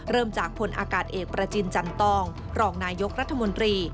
เริ่มจากพลอากาศเอกประจินจันตองรองนายกรัฐมนตรี